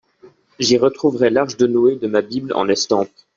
J’y retrouvais l’arche de Noé de ma Bible en estampes.